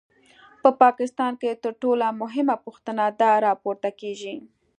په پاکستان کې تر ټولو مهمه پوښتنه دا راپورته کېږي.